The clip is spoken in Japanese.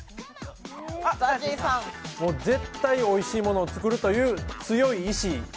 絶対おいしいものを作るという強い意志。